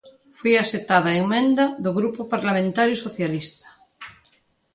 Foi aceptada a emenda do Grupo Parlamentario Socialista.